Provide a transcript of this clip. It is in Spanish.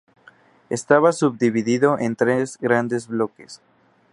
Estaba subdividido en tres grandes bloques.